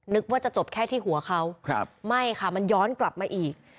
นึกว่าจะจบแค่ที่หัวเขาไม่ค่ะมันย้อนกลับมาอีก